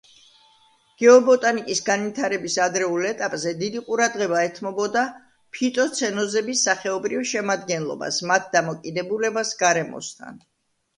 გეობოტანიკის განვითარების ადრეულ ეტაპზე დიდი ყურადღება ეთმობოდა ფიტოცენოზების სახეობრივ შემადგენლობას, მათ დამოკიდებულებას გარემოსთან.